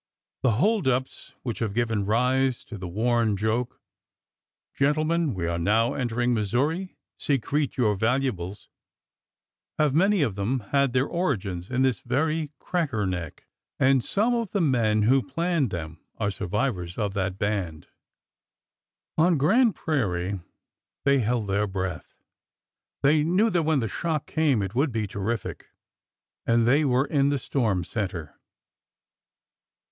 The hold ups which have given rise to the worn joke, Gentlemen, we are now entering Missouri— secrete your valuables," have many of them had their origin in this very '' Cracker Neck," and some of the men who planned them are survivors of that band. 204 ORDER NO. 11 On Grand Prairie they held their breath. They knew that when the shock came it would be terrific. And they were in the storm center.